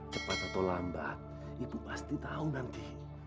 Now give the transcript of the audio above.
cepat atau lambat ibu pasti tahu nanti